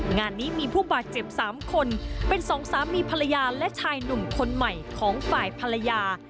งานนี้มีผู้บาดเจ็บ๓คนเป็นสองสามีภรรยาและชายหนุ่มคนใหม่ของฝ่ายภรรยา